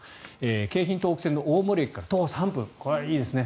京浜東北線の大森駅から徒歩３分これはいいですね。